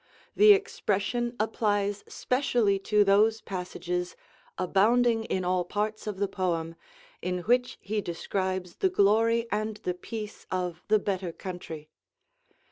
The expression applies specially to those passages, abounding in all parts of the poem, in which he describes the glory and the peace of the better country.